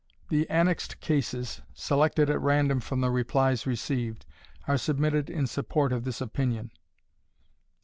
The annexed cases, selected at random from the replies received, are submitted in support of this opinion.